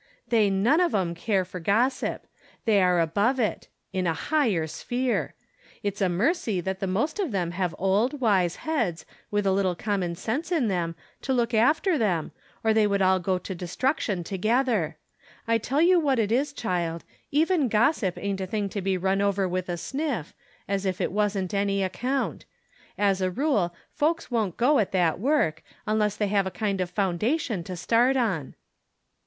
" They none of 'em care for gossip. They are above it — ^in a higher sphere. It's a mercy that the most of them have old, wise heads, with a little ' common sense in them, to look after them, or they would all go to destruction together. I teU you what it is, child, even gossip ain't a thing to be run over with a sniff, as if it wasn't any ac From Different Standpoints, 'bl count. As a rule, folks won't go at that work, unless they have a kind of foundation to start on."